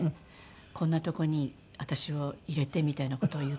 「こんなとこに私を入れて」みたいな事を言ったんです。